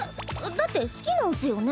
だって好きなんスよね？